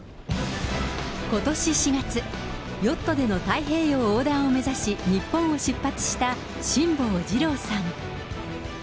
ことし４月、ヨットでの太平洋横断を目指し、日本を出発した辛坊治郎さん。